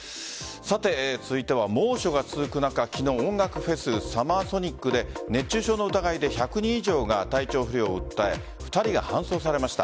さて、続いては猛暑が続く中昨日、音楽フェスＳＵＭＭＥＲＳＯＮＩＣで熱中症の疑いで１００人以上が体調不良を訴え２人が搬送されました。